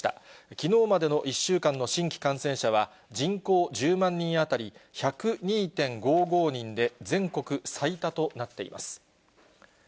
きのうまでの１週間の新規感染者は、人口１０万人当たり１０２．５５人で、全国最多となっています。